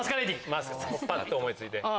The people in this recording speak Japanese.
パッと思い付いて。